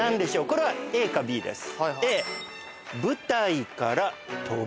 これはＡかＢです。